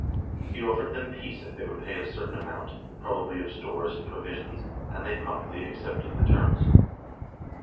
He offered them peace if they would pay a certain amount, probably of stores and provisions, and they promptly accepted the terms.